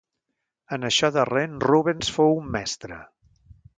En això darrer en Rubens fou un mestre.